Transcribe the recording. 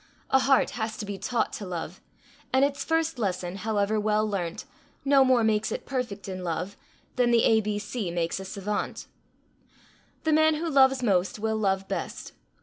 A heart has to be taught to love, and its first lesson, however well learnt, no more makes it perfect in love, than the A B C makes a savant. The man who loves most will love best.